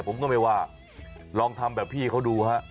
ผมก็ไม่ว่าลองทำแบบพี่เขาดูฮะ